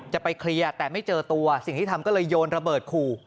จะไปเคลียร์แต่ไม่เจอตัวสิ่งที่ทำก็เลยโยนระเบิดขู่